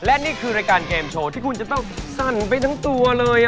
และนี่คือรายการเกมโชว์ที่คุณจะต้องสั่นไปทั้งตัวเลย